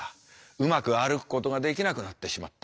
うまく歩くことができなくなってしまった。